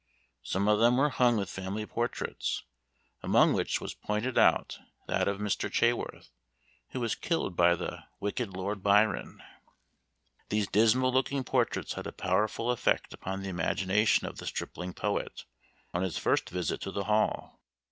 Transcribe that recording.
Some of them were hung with family portraits, among which was pointed out that of the Mr. Chaworth who was killed by the "wicked Lord Byron." These dismal looking portraits had a powerful effect upon the imagination of the stripling poet, on his first visit to the hall.